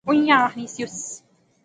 ایویں آخنی سیوس